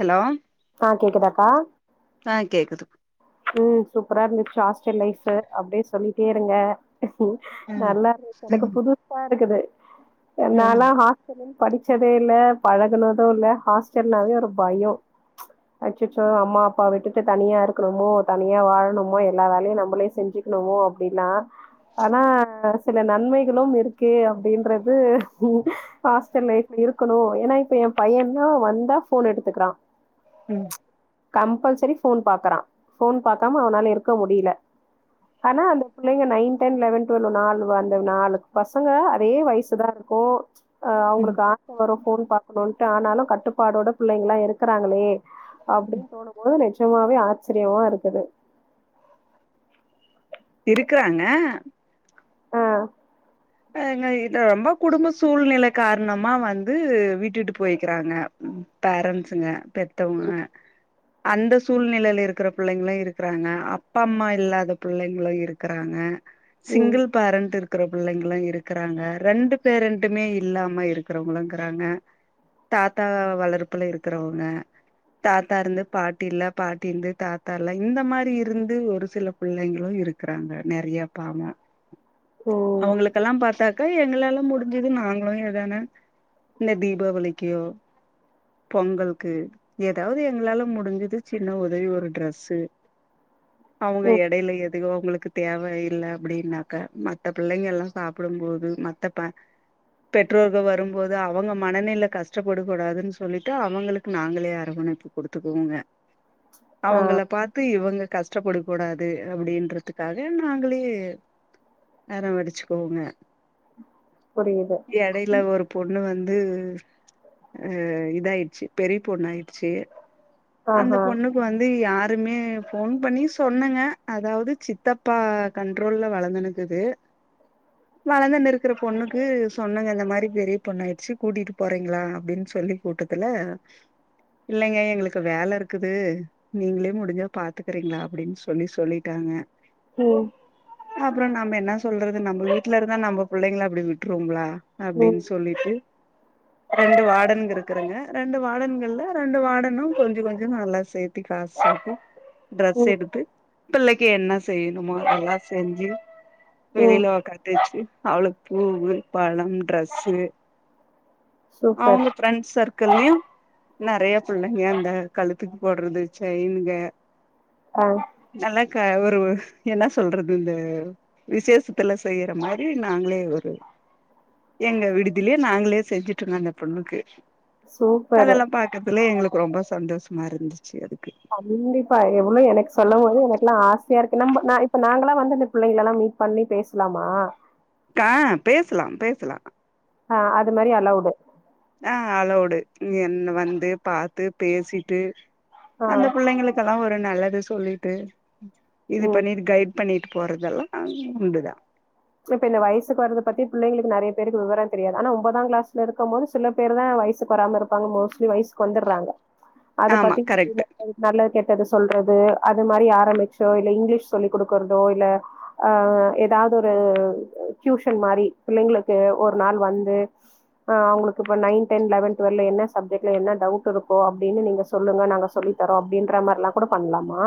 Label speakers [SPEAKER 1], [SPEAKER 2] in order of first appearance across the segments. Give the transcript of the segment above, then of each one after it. [SPEAKER 1] Hello
[SPEAKER 2] ஆ கேக்குதாக்கா
[SPEAKER 1] ஆ கேக்குது
[SPEAKER 2] ம் சூப்பரா இருந்துச்சு ஹாஸ்ட்டல் லைஃப் அப்டே சொல்லிட்டே இருங்க
[SPEAKER 1] ம்
[SPEAKER 2] நல்லாருந்துச் எனக்கு
[SPEAKER 1] ம்
[SPEAKER 2] புதுசாருக்குது என்னால
[SPEAKER 1] ம்
[SPEAKER 2] ஹாஸ் படிச்சதே இல்ல பழகுனதும் இல்ல ஹாஸ்டல்னாவே ஒரு பயம் அச்சச்சோ அம்மா அப்பா விட்டுட்டு தனியா இருக்கணு மோ தனியா வாழணுமோ எல்லா வேலயும் நம்மளே செஞ்சுக்கணுமோ அப்டின் ஆனா சில நன்மைகளும் இருக்கு அப்டின்றது ஹாஸ்டல் லைப் இருக்கணும் ஏன்னா இப்ப என் பைய தா வந்தா ஃபோன் எடுத்துக்கறா
[SPEAKER 1] ம்
[SPEAKER 2] கம்பல்சரி ஃபோன் பாக்கறான் ஃபோன் பாக்காம அவனால இருக்க முடில ஆனா அந்த புள்ளைங்க நைன் டென் லெவன் டுவல் நாலு அந்த நாலு பசங்க ஒரே வயசு தா இருக்கும்
[SPEAKER 1] ம்
[SPEAKER 2] அவுங்களுக்கு ஒரு ஃபோன் பாக்கணுட்டு ஆனாலும் கட்டுப்பாடோட பிள்ளைங்கல்லா இருக்றாங்களே அப்டினு தோணும்போது நெஜமாவே ஆச்சரியமா இருக்குது
[SPEAKER 1] இருக்றாங்க
[SPEAKER 2] ஆ
[SPEAKER 1] ங்க இ ரொம்ப குடும்ப சூழ்நெல காரணமா வந்து விட்டுட்டு போய்க்கறாங்க பேரன்ஸுங்க பெத்தவங்க அந்த சூழ்நெலைல இருக்கற பிள்ளைங்களும் இருக்கறாங்க அப்பா அம்மா இல்லாத பிள்ளைங்களும் இருக் றாங்க
[SPEAKER 2] ம்
[SPEAKER 1] சிங்கிள் பேரண்ட் இருக்கற பிள்ளைங்க இருக்கறாங்க ரெண்டு பேரெண்டுமே இல்லாம இருக்கறவங்களு இருக்றாங்க தாத்தா வளர்ப்புல இருக்றவங்க தாத்தா இருந்து பாட்டி இல்ல பாட்டி இருந்து தாத்தா இல்ல இந்த மாரி இருந்து ஒரு சில பிள்ளைங்களும் இருக்றாங்க நெறய பாவம்
[SPEAKER 2] ம்
[SPEAKER 1] அவுங்களுக்கல்லா பாத்தாக்க எங்களாலா முடிஞ்சது நாங்களும் எதான இந்த தீபாவளிக்கோ பொங்கல்க்கு ஏதாவது எங்களால முடிஞ்சது சின்ன உதவி ஒரு ட்ரெஸ்ஸு அவுங்க
[SPEAKER 2] ம்
[SPEAKER 1] எடைல எதையோ அவுங்களுக்கு தேவ இல்ல அப்டின்னாக்க மத்த பிள்ளைங்கல்லா சாப்டும் போது மத்தப் ப பெற்றோர்கள் வரும்போது அவுங்க மனநில கஷ்டப்பட கூடாதுன்னு சொல்லிட்டு அவங்களுக்கு நாங்களே அரவணைப்பு குடுத்துக்குவோங்க அவுங்கள பாத்து இவுங்க கஷ்டப்படக்க கூடாது அப்டின்றதுக்காக நாங்களே அரவணச்சுப்போங்க
[SPEAKER 2] புரியுது
[SPEAKER 1] எடைல ஒரு பொண்ணு வந்து அ இதாயிடுச்சு பெரிய பொண்ண ஆயிடுச்சு அந்த
[SPEAKER 2] ஆஹா
[SPEAKER 1] பொண்ணு வந்து யாருமே ஃபோன் பண்ணி சொன்னுங்க அதாவது சித்தப்பா கண்ட்ரோல்ல வளந்துனுக்குது வளந்னுருக்கற பொண்ணுக்கு சொன்னங்க இந்த மாரி பெரிய பொண்ணு ஆயிடுச்சு கூட்டிட்டு போறீங்களா அப்டின்னு சொல்லி கூட்டடுக்கல இல்லைங்க எங்களுக்கு வேல இருக்குது நீங்களே முடிஞ்சா பாத்துக்கறீங்களா அப்டின்னு சொல்லி சொல்லிட்டாங்க
[SPEAKER 2] ம்
[SPEAKER 1] அப்றம் நம்ம என்ன சொல்றது நம்ம வீட்ல இருந்தா நம்ம புள்ளைங்கள அப்டி விட்டுருவோங்களா
[SPEAKER 2] ம்
[SPEAKER 1] அப்டின்னு சொல்ல சொல்லிட்டு ரெண்டு வாடன் இருக்கறங்க ரெண்டு வாடன்கள்ல ரெண்டு வாடனும் கொஞ்ச கொஞ்ச நல்லா செ த்தி காசு செப்போம் ட்ரெஸ்
[SPEAKER 2] ம்
[SPEAKER 1] எடுத்து பிள்ளைக்கு என்ன செய்யணுமோ அதல்லாம் செஞ்சு
[SPEAKER 2] ம்
[SPEAKER 1] வெளியில அவ கட்டச்சு அவ்ளுக் பூவு பழம் ட்ரெஸ்ஸு
[SPEAKER 2] சூப்பர்
[SPEAKER 1] அவுங்க ஃப்ரெண்ட்ஸ் சர்க்கில்லயு நறைய பிள்ளைங்க அந்த கழுத்துக்கு போடுறது சைனுங்க
[SPEAKER 2] ஆ
[SPEAKER 1] நல்லாக்க ஒரு ஒ என்ன சொல்றது இந்த விசேஷ் த்துலா செய்யற மாரி நாங்களே ஒரு எங்க விடுதிலேயே நாங்களே செஞ்சிட்டுங்கோ அந்த பொண்ணுக்கு
[SPEAKER 2] சூப்பர்
[SPEAKER 1] அதெல்லா பாக்கறதுலே எங்களுக்கு ரொம்ப சந்தோஷமா இருந்துச்சு அதுக்கு
[SPEAKER 2] கண்டிப்பா எவ்ளோ எனக்கு சொல்லும் போதே எனக்குல்லா ஆ சையா இருக் நம்ப ந இப்ப நாங்களல்லா வந்து இந்த பிள்ளைங்கல்லா மீட் பண்ணி பேசலாமா
[SPEAKER 1] ஆ பேசலாம் பேசலா
[SPEAKER 2] ஆ அது மாரி அலோவுடு
[SPEAKER 1] ஆ அலோடு என் வந்து பாத்த பேசிட்டு
[SPEAKER 2] ஆ
[SPEAKER 1] அந்த பிள்ளைங்களுக் கெல்லா ஒரு நல்லது சொல்லிட்டு இது
[SPEAKER 2] ம்
[SPEAKER 1] பண்ணி கைட் பண்ணிட்டு போறதெல்லா உண்டு தா
[SPEAKER 2] இப்ப இந்த வயசுக்கு வரது பத்தி பிள்ளைளுக்கு நறைய பேருக்கு விவரோ தெரியாது ஆனா ஒம்பதா கிளாஸ்ல இருக்கும் போது சில பேரு தா வயசுக்கு வராம இருப்பாங்க மோஸ்ட்லி வயசுக்கு வந்துடுறாங்க அத
[SPEAKER 1] ஆமா
[SPEAKER 2] பத்தி
[SPEAKER 1] கரெக்ட்
[SPEAKER 2] [inaudible] நல்லது கெட்டது சொல்றது அது மாரி ஆரம்பிச்சோ இல்ல இங்கிலீஷ் சொல்லி கொடுக்கறதோ இல்ல ஆ ஏதாவது ஒரு டியூஷன் மாரி பிள்ளைங்களுக்கு ஒரு நாள் வந்து ஆ அவுங்களுக்கு இப்ப நைன் டென் லெவென் டுவெல்ல என்ன சப்ஜெக்ட்ல என்ன டவுட் இருக்கோ அப்டின்னு நீங்க சொல்லுங்க நாங்க சொல்லி தரோ அப்டின்ற மாரிலாகூட பண்லாமா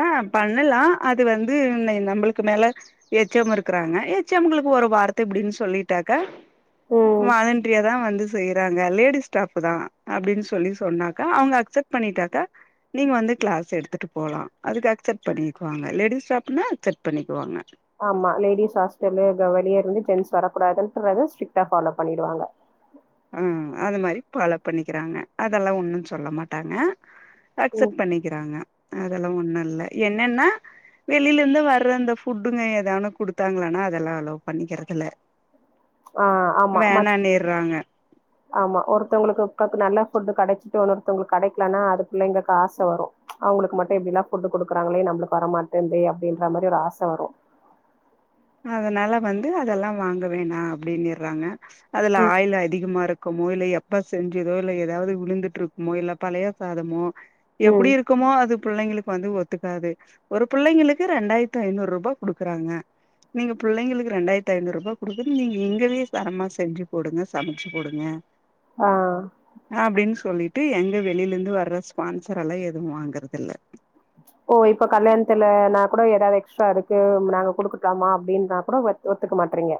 [SPEAKER 1] ஆ பண்ணலா அது வந்து என்ன நம்பளுக்கு மேல எச்சம் இருக்கறாங்க எச்சம்களுக்கு ஒரு வார்த்த இப்டின்னு சொல்லிட்டாக்கா
[SPEAKER 2] ம்
[SPEAKER 1] வாலன்ட்ரியாதா வந்து செய்யறாங்க லேடி ஸ்டாஃப் தா அப்டின்னு சொல்லி சொன்னாக்கா அவுங்க அக்செப்ட் பண்ணிட்டாக்கா நீங்க வந்து கிளாஸ் எடுத்துட்டு போலா அதுக்கு அக்செப்ட் பண்ணிக்குவாங்க லேடிஸ் ஸ்டாஃப்னா அக்செப்ட் பண்ணிக்குவாங்க
[SPEAKER 2] ஆமா லேடிஸ் ஹாஸ்டலு வெளிய இருந்து ஜென்ஸ் வரக்கூடாதுன்றத ஸ்ட்ரிட்ட ஃபாலோ பண்ணிடுவாங்க
[SPEAKER 1] ஆ அது மாரி ஃபாலோ பண்ணிக்கிறாங்க அதெல்லா ஒன்னு சொல்ல மாட்டாங்க
[SPEAKER 2] ம்
[SPEAKER 1] அக்சப்ட் பண்ணி க்கிறாங்க அதெல்லா ஒண்ணு இல்ல என்னன்னா வெளியில இருந்து வர்ற அந்த ஃபுட்டுங்க எதா ஒன்னு குடுத்தாங்கனா அதெல்லா அலோ பண்ணிக்கிறது இல்ல
[SPEAKER 2] ஆ ஆமா மத் ஆமா ஒருத்தவுங்களுக்கு நல்ல ஃபுட்டு் கடைச்சிட்டு ஒன்னொருத்தவுங்களுக்கு கடைக்கலனா அது பிள்ளைங்களுக்கு ஆச வரு அவுங்களுக்கு மட்டு இப்டிலா ஃபுட்டு குடுக்குறாங்களே நம்மளுக்கு வரமட்டேந்தே அப்டின்ற மாரி ஒரு ஆச வரு
[SPEAKER 1] அதனால வந்து அதெல்லா வாங்க வேணா அப்டின்னிறாங்க அதுல
[SPEAKER 2] ம்
[SPEAKER 1] ஆயில் அதிகமா இருக் குமோ இல்ல எப்ப செஞ்சதோ இல்ல ஏதாவது விழுந்துட்ருக்குமோ இல்ல பழைய சாதமோ
[SPEAKER 2] ம்
[SPEAKER 1] எப்படி இருக் க்குமோ அது பிள்ளைங்களுக்கு வந்து ஒத்துக்காது ஒரு பிள்ளைங்களுக்கு ரெண்டாயிரத்தை நூறுபா குடுக்குறாங்க நீங்க பிள்ளைங்களுக்கு ரெண்டாயிரத்தி ஐநூறுபா குடுக்குதுட்டு நீங்க இங்கயே தரமா செஞ்சு போடுங்க சமைச்சு போடுங்க
[SPEAKER 2] ஆ
[SPEAKER 1] அப்டின் சொல்லிட்டு எங்க வெளியிலருந்து வர்ற ஸ்பான்சர் எல்லா எதுவு வாங்கறதுல்ல
[SPEAKER 2] ஓ இப்ப கல்யாணத்துல நா கூட ஏதாவது எக்ஸ்ட்ரா இருக்கு நாங்க குடுக்கட்டாமா அப்டினா கூட ஒத்துக்க மாட்றீங்க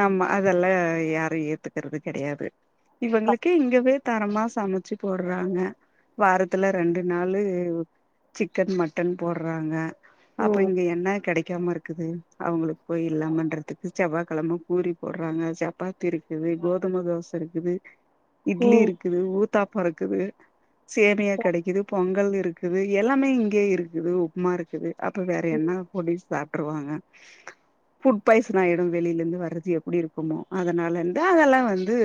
[SPEAKER 1] ஆமா அதெல்லா யாரு ஏத்துக்கறது கடையாது இவங்களுக்கு இங்கவே தரமா சமைச்சு போடுறாங்க வாரத்துல ரெண்டு நாளு சிக்கன் மட்டன் போடுறாங்க அப்ப
[SPEAKER 2] ம்
[SPEAKER 1] இங்க என்ன கெடைக்காம இருக்குது அவுங்களுக் போய் இல்லாமன்றதுக்கு செவ்வா கிழம பூரி போடுறாங்க சப்பாத்தி இருக்குது கோதும தோச இருக்குது இட்லி
[SPEAKER 2] ம்
[SPEAKER 1] இருக் குது ஊத்தாப்போ இருக்குது சேமியா கெடைக்குது பொங்கல் இருக்குது எல்லாமே இங்கேயே இருக்குது உப்மா இருக்குது அப்ப வேற
[SPEAKER 2] ம்.
[SPEAKER 1] என்ன பொடிஸ் சாப்டுருவாங்க ஃபுட் பாய்சன் ஆயிரு வெளியிலருந்து வர்றது எப்டி இருக்குமோ அதனால இருந்து அதெல்லா வந்து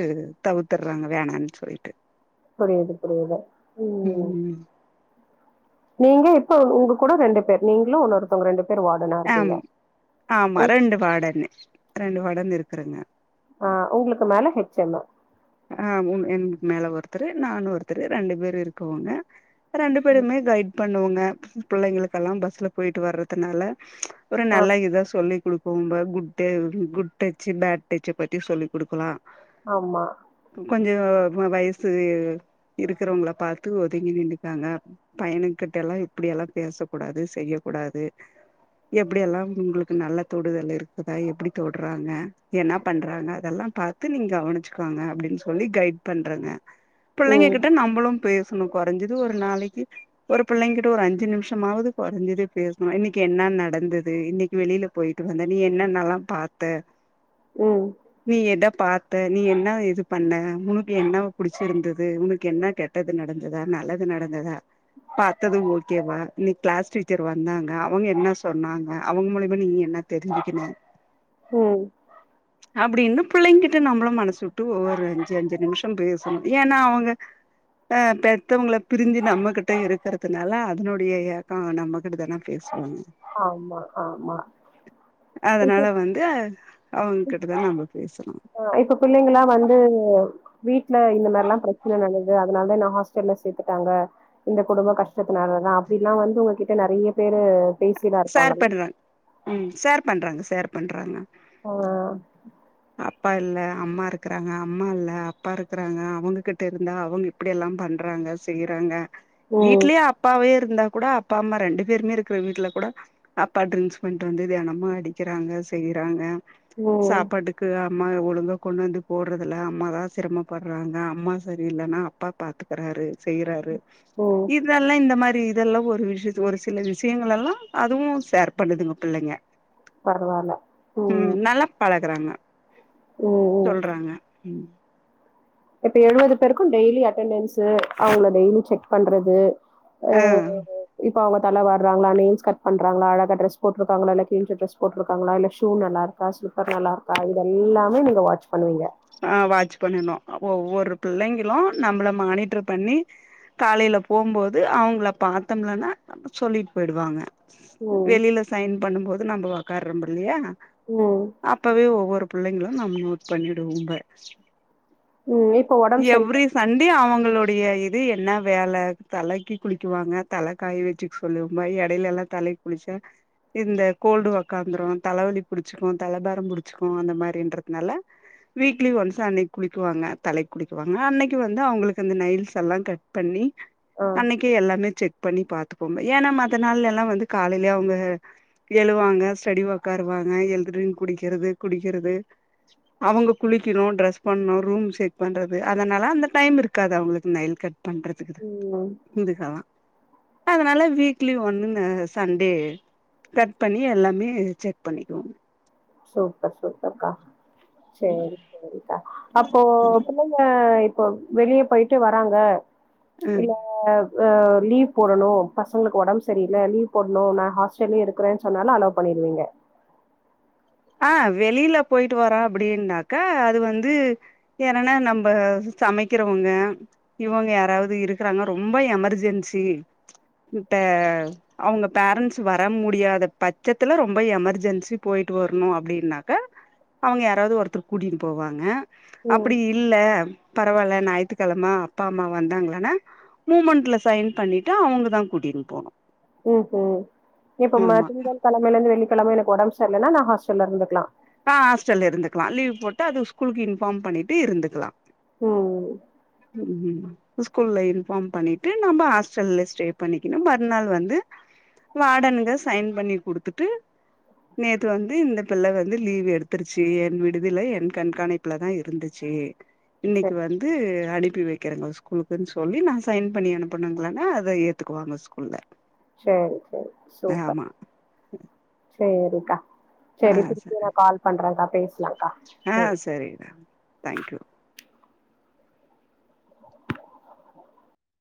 [SPEAKER 1] தவத்தறாங்க வேணான்னு சொல்லிட்டு
[SPEAKER 2] புரியுது புரியுது ம் நீங்க இப்ப உங்க கூட ரெண்டு பேர் நீங்களு ஒன்னொருத்தவங்க ரெண்டு பேர் வா
[SPEAKER 1] அம் ஆமா ரெண்டு வாடன்னு ரெண்டு வாடன்னு இருக்குறங்க
[SPEAKER 2] ஆ உங்களுக்கு மேல ஹெச் எம்மு
[SPEAKER 1] ஆ உன் எனக் மேல ஒருத்தரு நானு ஒருத்தரு ரெண்டு பேரு இருக்குவோங்க ரெண்டு பேருமே கைட் பண்ணுவோங்க பிள்ளைகளுக்கெல்லா பஸ்ல போயிட்டு வர்றதுனால ஒரு நல்லா இதா சொல்லி குடுக் ரொம்ப [unintelligible] குட்டச்சு பேட் டச்சு பத்தி சொல்லி குடுக்கலா
[SPEAKER 2] ஆமா
[SPEAKER 1] கொஞ்சோ வயசு இருக்கிறவங்கள பாத்து ஒதுங்கி நின்னுக்கங்க பயனுக்கிட்டல்லா இப்டியெல்லா பேசக் கூடாது செய்யக் கூடாது எப்டியெல்லா உங்களுக்கு நல்ல தொடுதல் இருக்குதா எப்டி தொடுறாங்க என்ன பண்றாங்க அதெல்லா பாத் த்து நீங்க கவனிச்சுக்கோங்க அப்டின்னு சொல்லி கைட் பண்றங்க புள்ளைங்க
[SPEAKER 2] ம்
[SPEAKER 1] கிட்ட நம்மளு பே சுணு கொறஞ்சது ஒரு நாளைக்கி ஒரு பிள்ளைங்க கிட்ட ஒரு அஞ்சு நிம்ஷமாவது குறஞ்சது பேசணு இன்னைக்கி என்ன நடந்தது இன்னைக்கி வெளியில போயிட்டு வந்த நீ என்னன்னல்லா பாத்த
[SPEAKER 2] ம்
[SPEAKER 1] நீ எத பாத்த நீ என்ன இதுப் பண்ண உனக்கு என்ன புடிச்சிருந்தது உனக்கு என்ன கெட்டது நடந்ததா நல்லது நடந்ததா பாத்தது ஓகேவா நீ கிளாஸ் டீச்சர் வந்தாங்க அவங்க என்ன சொன்னாங்க அவங்க மூலியமா நீங்க என்ன தெரிஞ்க்கினு
[SPEAKER 2] ம்
[SPEAKER 1] அப்டின்னு பிள்ளைங்க கிட்ட நம்மளு மனசு விட்டு ஒவ்வொரு ஒரு அஞ்சு அஞ்சு நிமிஷோ பேசனு ஏனா அவங்க அ பெத்தவங்கள பிரிஞ்சு நம்மகிட்ட இருக்கிறதுனால அதனுடைய எக்கோ நம்மகிட்டதனே பேசுவாங்க
[SPEAKER 2] ஆமா ஆமா இப்ப
[SPEAKER 1] அதனால வந்து அது அவங்க கிட்டதா நம்ம பேசனு
[SPEAKER 2] ஓ இப்ப பிள்ளைங்களா வந்து வீட்ல இந்த மாரில்லா பிரச்சன நன்தது அதனாலதா என்ன ஹாஸ்டல்ல சேத்துட்டாங்க இந்த குடும்ப கஷ்டத்தினாலதா அப்டிலா வந்து உங்ககிட்ட நெறைய பேரு பேசிலா
[SPEAKER 1] ஷேர்
[SPEAKER 2] இருப்பாங்கல்ல
[SPEAKER 1] பண்றாங்க ம் ஷேர் பண்றாங்க ஷேர் பண்றாங்க
[SPEAKER 2] ஓ
[SPEAKER 1] அப்பா இல்ல அம்மா இருக்கறாங்க அம்மா இல்ல அப்பா இருக்கறாங்க அவங்ககிட்ட இருந்தா அவங்க இப்டியெல்லா பண்றாங்க செய்ய றாங்க
[SPEAKER 2] ம்
[SPEAKER 1] வீட்லே அப்பாவே இருந்தா கூட அப்பா அம்மா ரெண்டு பேரு மே இருக்கு வீட்ல கூட அப்பா டரிங்க்ஸ் பண்ணிட்டு வந்து தெனமு அம்மா அடிக்கிறாங்க செய்யறாங்க
[SPEAKER 2] ம்
[SPEAKER 1] சாப்பாட்டுக் கு அம்மாவ ஒழுங்க கொண்டு வந்து போடுறதுல அம்மாதா சிரமபடுறாங்க அம்மா சரியில்லனா அப்பா பாத்க்கிறாரு செய்யறாரு
[SPEAKER 2] ம்
[SPEAKER 1] இத் இதெல்லா இந்த மாரி இதெல்லா ஒரு விஷ்யத் ஒரு சில விஷயங்க எல்லா அதுவு ஷேர் பண்ணுதுங்க பிள்ளைங்க ம் நல்லா பழகுறாங்க
[SPEAKER 2] ம் ம்
[SPEAKER 1] சொல்றாங்க
[SPEAKER 2] இப்ப எழுவது பேருக்கு டெய்லி அட்டெண்டன்ஸ்சு அவங்கள டெய்லி செக் பண்றது அ
[SPEAKER 1] ஆ
[SPEAKER 2] [inaudible] இப்ப அவங்க தல வார்றாங்களா நெயில்ஸ் கட் பண்றாங்களா அழகா டிரஸ் போட்ருக்காங்களா இல்ல கிழிஞ்ச ட்ரஸ் போட்ருக்காங்களா இல்ல ஷூ நல்லா இருக் க்கா சூப்பர் நல்லாருக்கா இது எல்லாமே நீங்க வாட்ச் பண்ணுவீங்க
[SPEAKER 1] ஆ வாட்ச் பண்ணணு ஒவ்வொரு புள்ளைங்களு நம்ள மானிட்ரு பண்ணி காலைல போம்போது அவங்கள பாத்தம்லனா சொல்லிட்டு போயிடுவாங்க
[SPEAKER 2] ம்
[SPEAKER 1] வெளில சைன் பண்ணும்போது நம்ம ஒக்கார்ரம் இல்லையா
[SPEAKER 2] ம்
[SPEAKER 1] அப்பவே ஒவ்வொரு புள்ளைகளு நம் நோட் பண்ணிடுவோம்ப
[SPEAKER 2] ம் இப்ப ஒடம்பு சரியில்ல
[SPEAKER 1] எவ்ரி சண்டடே அவங்களுடைய இது என்ன வேல தலைக்கி குளிக்குவாங்க தல காய வச்சுக்க சொல்லும்மா எடைலலா தலைக்குளிச்சா இந்த கோல்டு ஒக்காந்துரு தலவலி புடிச்சிக்கு தலபாரம் புடிச்சிக்கு அந்த மாரின்றதுனால வீக்லி ஒன்ஸ் அன்னைக்கு குளிக்வாங்க தலை குளிக்வாங்க அன்னைக்கு வந்து அவுங்களுக்கு அந்த நைல்ஸ் எல்லா கட் பண்ணி
[SPEAKER 2] ஆ
[SPEAKER 1] அன்னைக்கே எல்லாமே செக் பண்ணி பாத்க்கோங்க ஏனா மத்த நாள் எல்லா வந்து காலைலே அவுங்க எழுவாங்க ஸ்டடி ஒக்காருவாங்க எழுதுறன் குடிக்கறது குடிக்கறது அவுங்க குளிக்கிணு ட்ரெஸ் பண்ணு ரூம் செக் பண்ணுறது அதனால அந்த டைம் இருக்காது அவுங்களுக்கு நயல் கட் பண்றத்துக்கு தா
[SPEAKER 2] ம்
[SPEAKER 1] இதுக்கு அதா அதனால வீக்லி ஒன்னு இந்த சண்டே கட் பண்ணி எல்லாமே செக் பண்ணிக்குவோ
[SPEAKER 2] சூப்பர் சூப்பர்கா சேரி சேரிக்கா அப்போ பிள்ளைங்க இப் ப்ப வெளிய போயிட்டு வராங்க
[SPEAKER 1] ம்
[SPEAKER 2] இல்ல அ லீவ் போடணு பசங்களுக்கு உடம்பு சரியில்ல லீவ் போட்ணு நா ஹாஸ் சொல்லி இருக்குறே சொன்னாலு அலோ பண்ணிருவீங்க
[SPEAKER 1] ஆ வெளில போயிட்டு வர அப்டின்னாக்க அது வந்து என்னனா நம்ப சமைக்கறவங்க இவங்க யாராவது இருக்கு றாங்க ரொம்ப எமெர்ஜென்சி கிட்ட அவுங்க பேரன்ஸ் வர முடியாத பச்சத்துல ரொம்ப எமர்ஜென்சி போயி ட்டு வர்ணு அப்டின்னாக அவங்க யாராது ஒருத்தர் கூட்டிட்டு போவாங்க
[SPEAKER 2] ம்
[SPEAKER 1] அப்டி இல்ல பரவல்ல ஞாயித்து கெழம அப்பா அம்மா வந்தாங்கலானா மூமண்ட்ல சைன் பண்ணிட்டு அவங்க தா கூடிட்டுனு போணு
[SPEAKER 2] ம் ஹும் இப்ப ம
[SPEAKER 1] ஆமா
[SPEAKER 2] திங்க கெழமைலந்து வெள்ளிக்கெழம எனக்கு ஒடம்பு சரி இல்லன்னா நா ஹாஸ்டல்ல இருந்துக்லா
[SPEAKER 1] ஆ ஹாஸ்டல்ல இருக்கலா லீவ் போட்டு அது ஸ்கூலுக் இன்ஃபார் பண்ணிட்டு இருந்துக்குலா [unintelligible]
[SPEAKER 2] ம்
[SPEAKER 1] ம் ம் ஸ்கூல்ல இன்ஃபாம் பண்ணிட்டு நம்ம ஹாஸ்டல்ல ஸ்டே பண்ணிக்கினு மறுநாள் வந்து வாடன்க சைன் பண்ணி குடுத்துட்டு நேத்து வந்து இந்த பிள்ள வ ந்து லீவு எடுத்துர்ச்சு என் விடுதில என் கண்காணிப்புலதா இருந்துச்சி இன்னைக்கு
[SPEAKER 2] சேரி
[SPEAKER 1] வந்து அனுப்பி வைக்கிறங்க ஸ்கூலுக்கு சொல்லி நா சைன் பண்ணி அனுப்புனங்களங்க அத எத்துக்குவாங்க ஸ்கூல்ல
[SPEAKER 2] சேரி சேரி சூப்பர்
[SPEAKER 1] ஆமா
[SPEAKER 2] சேரிக்கா
[SPEAKER 1] ஆ
[SPEAKER 2] சேரி திருப்பியு
[SPEAKER 1] சரி
[SPEAKER 2] நா கால் பண்றே கா பேஸ்லா
[SPEAKER 1] ஆ சேரி தேங்க்யூ